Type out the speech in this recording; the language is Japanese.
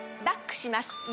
バックします。